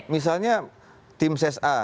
misalnya timses a